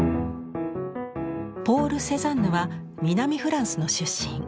ポール・セザンヌは南フランスの出身。